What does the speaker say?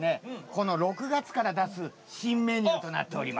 この６月から出す新メニューとなっております。